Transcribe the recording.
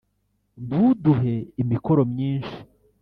ntuduhe imikoro myinshi